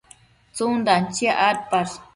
tsundan chiac adpash?